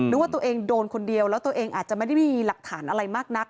ว่าตัวเองโดนคนเดียวแล้วตัวเองอาจจะไม่ได้ไม่มีหลักฐานอะไรมากนัก